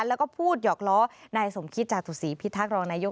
แล้วก็พูดหยอกล้อนายสมคิตจาตุศีพิทักษ์รองนายก